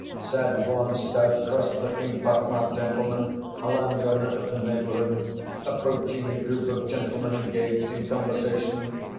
said one stout, cross‐looking, pock‐ marked gentleman, a landowner of the neighborhood, approaching a group of gentlemen engaged in conversation.